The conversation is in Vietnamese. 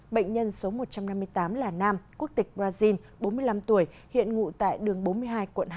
bệnh nhân số một trăm năm mươi tám là nam quốc tịch brazil bốn mươi năm tuổi hiện ngụ tại đường bốn mươi hai quận hai